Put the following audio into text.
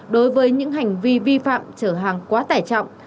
đối với những hành vi vi phạm trở hàng quá tải trọng